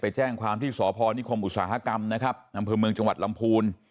แจ้งความที่สพนิคมอุตสาหกรรมนะครับอำเภอเมืองจังหวัดลำพูน